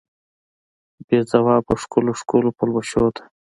بې ځوابه ښکلو، ښکلو پلوشو ته